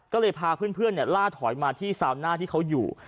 ก็เลยพาเพื่อนล่าถอยมาที่ซาวน่าที่เขาอยู่